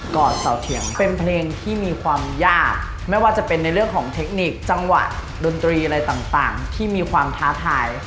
อดเสาเถียงเป็นเพลงที่มีความยากไม่ว่าจะเป็นในเรื่องของเทคนิคจังหวะดนตรีอะไรต่างที่มีความท้าทาย